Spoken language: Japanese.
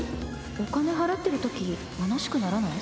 お金払ってるときむなしくならない？